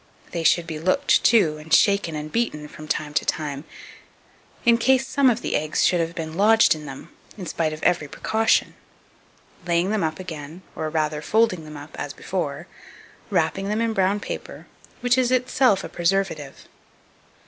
They should be looked too, and shaken and beaten, from time to time, in case some of the eggs should have been lodged in them, in spite of every precaution; laying them up again, or rather folding them up as before, wrapping them in brown paper, which is itself a preservative.